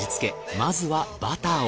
まずはバターを。